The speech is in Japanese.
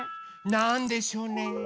なんでしょうね？